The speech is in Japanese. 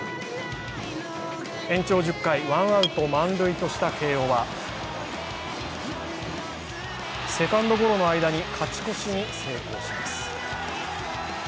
延長１０回、ワンアウト満塁とした慶応はセカンドゴロの間に勝ち越しに成功します。